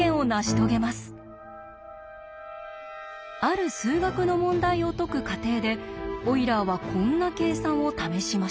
ある数学の問題を解く過程でオイラーはこんな計算を試しました。